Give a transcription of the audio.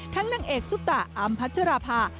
ทั้งนางเอกซุปตาอัมพัชราภา